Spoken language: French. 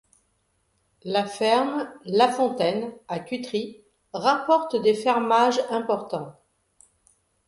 La ferme La Fontaine à Cutry rapporte des fermages importants.